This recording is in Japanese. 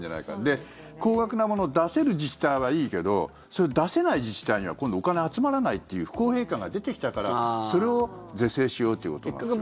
で、高額なものを出せる自治体はいいけどそれを出せない自治体には今度、お金が集まらないという不公平感が出てきたからそれを是正しようということがあるんですよね。